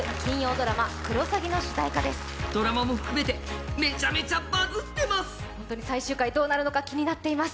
ドラマも含めてめちゃめちゃバズってます。